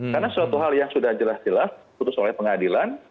karena suatu hal yang sudah jelas jelas putus oleh pengadilan